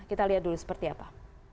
kita lihat dulu seperti apa